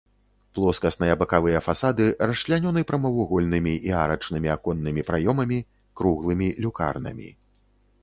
Плоскасныя бакавыя фасады расчлянёны прамавугольнымі і арачнымі аконнымі праёмамі, круглымі люкарнамі.